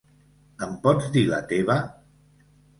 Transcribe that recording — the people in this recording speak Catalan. Em pots dir la teva!?